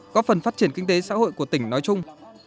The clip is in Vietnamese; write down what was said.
có phần phát triển kinh tế xã hội của tỉnh nói chung